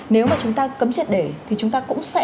nếu mà chúng ta cấm triệt để thì chúng ta cũng sẽ